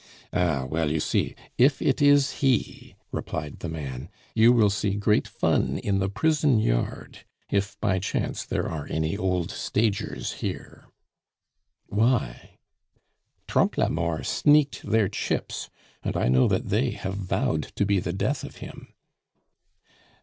"Ah, well, you see if it is he," replied the man, "you will see great fun in the prison yard if by chance there are any old stagers here." "Why?" "Trompe la Mort sneaked their chips, and I know that they have vowed to be the death of him."